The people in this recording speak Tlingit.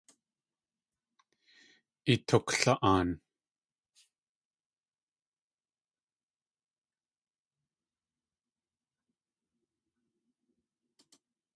Itukla.aan!